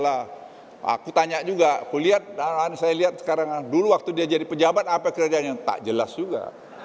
aku tanya juga aku lihat saya lihat sekarang dulu waktu dia jadi pejabat apa kerjanya tak jelas juga